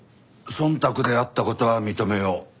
忖度であった事は認めよう。